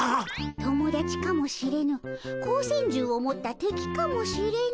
友だちかもしれぬ光線銃を持った敵かもしれぬ。